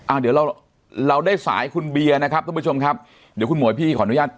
เดี๋ยวเราเราได้สายคุณเบียร์นะครับทุกผู้ชมครับเดี๋ยวคุณหมวยพี่ขออนุญาต